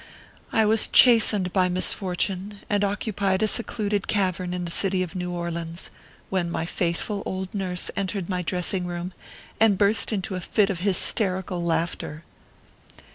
I was chastened by misfortune, and occupied a secluded cavern in the city of New Orleans, when my faithful old nurse entered my dressing room, and burst into a fit of hysterical laughter.